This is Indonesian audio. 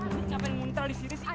kenapa muntah disini sih